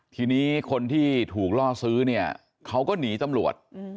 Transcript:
ทีนี้คนที่ถูกล่อซื้อเนี่ยเขาก็หนีตำรวจ